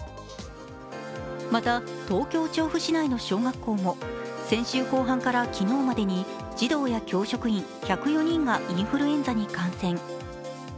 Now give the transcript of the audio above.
また東京・調布市内の小学校も先週後半から昨日までに児童や教職員１０４人がインフルエンザに感染。